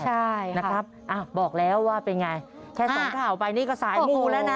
ใช่นะครับอ่ะบอกแล้วว่าเป็นไงแค่สองข่าวไปนี่ก็สายมูแล้วนะ